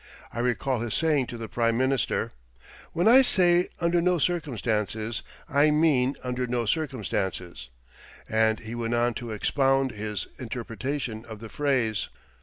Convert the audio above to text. I recall his saying to the Prime Minister, 'When I say under no circumstances, I mean under no circumstances,' and he went on to expound his interpretation of the phrase."